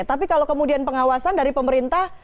tapi kalau kemudian pengawasan dari pemerintah